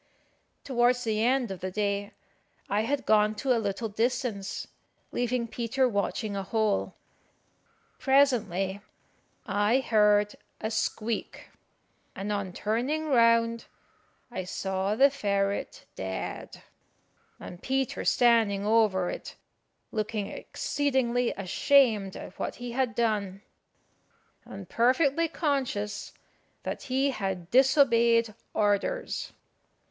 Towards the end of the day I had gone to a little distance, leaving Peter watching a hole. Presently I heard a squeak, and on turning round I saw the ferret dead, and Peter standing over it, looking exceedingly ashamed at what he had done, and perfectly conscious that he had disobeyed orders.